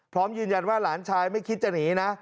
พร้อมยืนยันว่าหลานชายไม่คิดจะหนีนะ